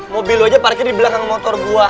mobil aja parkir di belakang motor gue